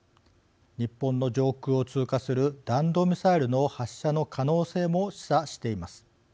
日本の上空を通過する弾道ミサイルの発射の可能性も示唆しています。